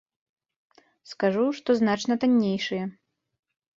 Скажу, што значна таннейшыя.